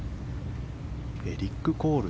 エリック・コール